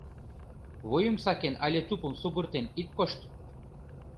«Вуйым сакен але тупым сугыртен ит кошт.